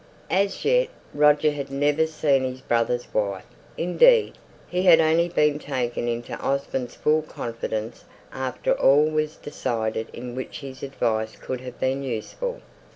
As yet, Roger had never seen his brother's wife; indeed, he had only been taken into Osborne's full confidence after all was decided in which his advice could have been useful.